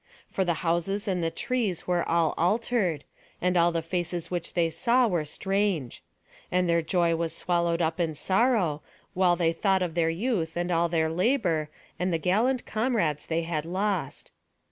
For the houses and the trees were all altered; and all the faces which they saw were strange; and their joy was swallowed up in sorrow, while they thought of their youth, and all their labour, and the gallant comrades they had lost.